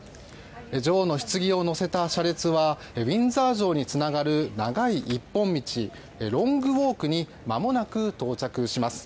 女王のひつぎを乗せた車列はウィンザー城につながる長い一本道ロングウォークにまもなく到着します。